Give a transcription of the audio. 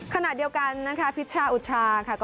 ขณะเดียวกันนะคะพิชชาอุทชาค่ะ